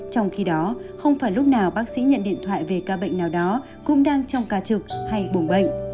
trong khi đó không phải lúc nào bác sĩ nhận điện thoại về ca bệnh nào đó cũng đang trong ca trực hay bùng bệnh